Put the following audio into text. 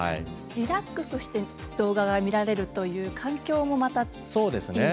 リラックスして動画が見られるという環境もいいですよね。